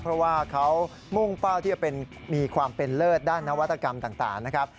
เพราะว่าเขามุ่งเป้าที่จะมีความเป็นเลิศด้านนวัตกรรมต่างนะครับ